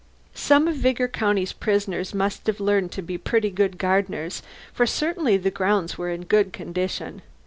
Some of Vigor county's prisoners must have learned to be pretty good gardeners, for certainly the grounds were in good condition.